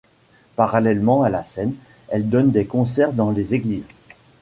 Parallèlement à la scène, elle donne des concerts dans les églises.